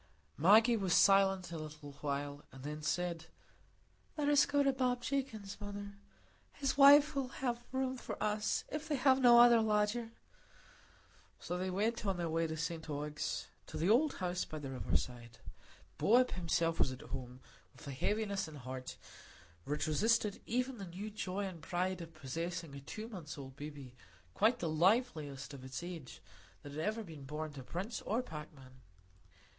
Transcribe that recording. Maggie was silent a little while, and then said,— "Let us go to Bob Jakin's, mother; his wife will have room for us, if they have no other lodger." So they went on their way to St Ogg's, to the old house by the river side. Bob himself was at home, with a heaviness at heart which resisted even the new joy and pride of possessing a two months' old baby, quite the liveliest of its age that had ever been born to prince or packman.